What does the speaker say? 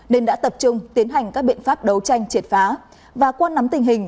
nên đã tập trung tiến hành các biện pháp đấu tranh triệt phá